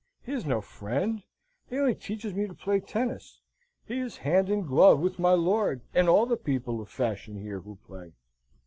he is no friend: he only teaches me to play tennis: he is hand in glove with my lord, and all the people of fashion here who play."